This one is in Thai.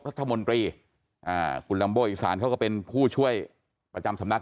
รัฐมนตรีอ่าคุณลัมโบอีสานเขาก็เป็นผู้ช่วยประจำสำนัก